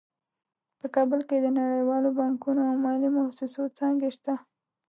په کابل کې د نړیوالو بانکونو او مالي مؤسسو څانګې شته